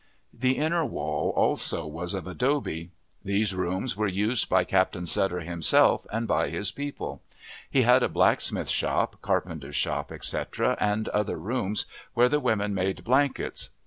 The inner wall also was of adobe. These rooms were used by Captain Sutter himself and by his people. He had a blacksmith's shop, carpenter's shop, etc., and other rooms where the women made blankets.